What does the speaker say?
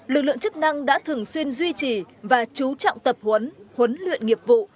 lực lượng chức năng đã thường xuyên duy trì và chú trọng tập huấn huấn luyện nghiệp vụ